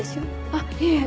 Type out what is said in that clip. あっいえ。